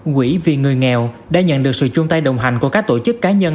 quỹ vì người nghèo đã nhận được sự chung tay đồng hành của các tổ chức cá nhân